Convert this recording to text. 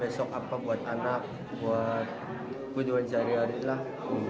buat besok apa buat anak buat kewajaran hari lah